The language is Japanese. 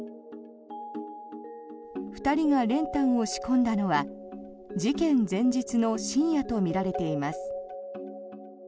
２人が練炭を仕込んだのは事件前日の深夜とみられています。